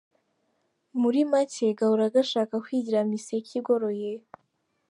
Muri make gahora gashaka kwigira miseke igoroye.